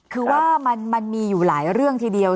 คือว่ามันมีอยู่หลายเรื่องทีเดียว